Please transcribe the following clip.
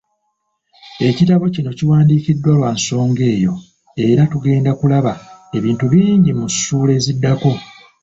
Ekitabo kino kiwandiikiddwa lwa nsonga eyo era tugenda kulaba ebintu bingi mu ssuula eziddako